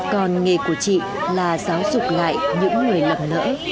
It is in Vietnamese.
còn nghề của chị là giáo dục lại những người lầm lỡ